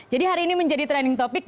jadi hari ini menjadi trending topik